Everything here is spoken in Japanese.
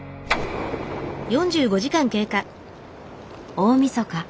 大みそか。